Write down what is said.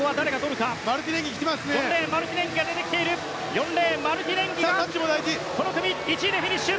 ４レーン、マルティネンギこの組１位でフィニッシュ。